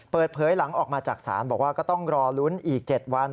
เปิดเผยหลังออกมาจากศาลบอกว่าก็ต้องรอลุ้นอีก๗วัน